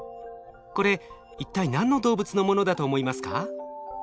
これ一体何の動物のものだと思いますか？